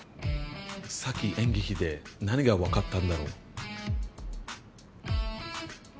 さっき演劇で何が分かったんだろう？